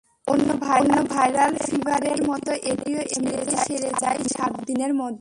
অন্য ভাইরাল ফিভারের মতো এটিও এমনিতেই সেরে যায় সাত দিনের মধ্যে।